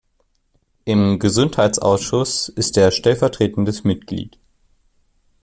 Im Gesundheitsausschuss ist er stellvertretendes Mitglied.